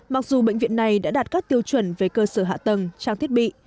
cơ sở này đã đạt các tiêu chuẩn về cơ sở hạ tầng trang thiết bị